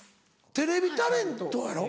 テレビタレントやろ？